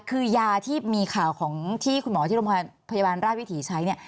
คือยาที่มีข่าวของที่คุณหมอที่โรงพยาบาลราชวิถีใช้เนี่ย